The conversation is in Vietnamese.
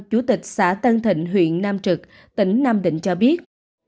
chủ tịch xã tân thịnh huyện nam trực tỉnh nam định cho biết